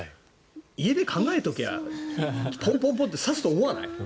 家で考えておけばポンポンって指すと思わない？